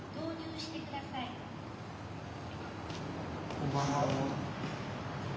こんばんは。